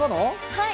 はい。